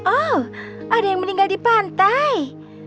oh ada yang meninggal di pantai